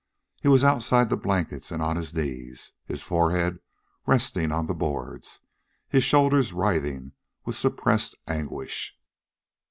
He was outside the blankets and on his knees, his forehead resting on the boards, his shoulders writhing with suppressed anguish.